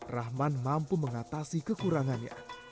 rahman mampu mengatasi kekurangannya